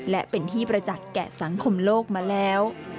และเป็นที่ประจักษ์แก่สังคมโลกมาแล้ว